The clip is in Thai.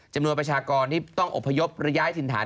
จำนวนประชากรที่ต้องอบพยพและย้ายถิ่นฐาน